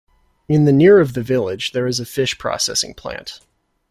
In the near of the village, there is a fish processing plant.